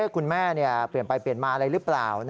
คุณแม่เปลี่ยนไปเปลี่ยนมาอะไรหรือเปล่า